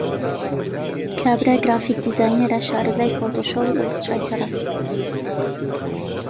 کابرا گرافیک دیزاینەرە، شارەزای فۆتۆشۆپ و ئیلسترەیتەرە.